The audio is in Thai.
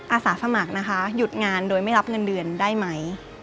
อาสาสมัครนะคะหยุดงานโดยไม่รับเงินเดือนได้ไหม